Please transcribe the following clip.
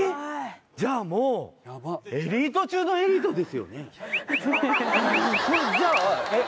じゃあもうエリート中のエリートですよね